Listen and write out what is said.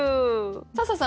笹さん